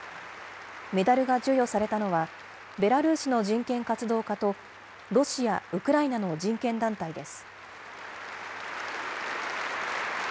メダルが授与されたのは、ベラルーシの人権活動家と、ロシア、ウクライナの人権団体です。